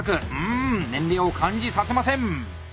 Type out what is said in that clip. ん年齢を感じさせません！